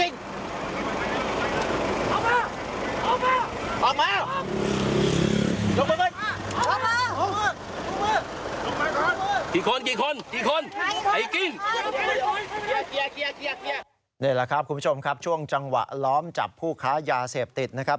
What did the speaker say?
นี่แหละครับคุณผู้ชมครับช่วงจังหวะล้อมจับผู้ค้ายาเสพติดนะครับ